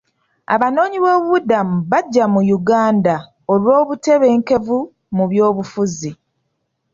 Abanoonyiboobubudamu bajja mu Uganda olw'obutebenkevu mu byobufuzi.